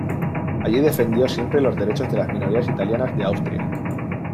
Allí defendió siempre los derechos de las minorías italianas de Austria.